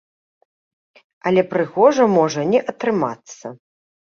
Але прыгожа можа не атрымацца.